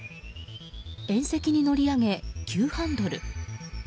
縁石に乗り上げ、急ハンドル。